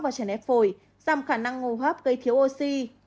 và trẻ nét phổi giảm khả năng ô hấp gây thiếu oxy